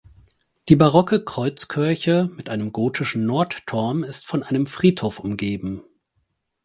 Die barocke Kreuzkirche mit einem gotischen Nordturm ist von einem Friedhof umgeben.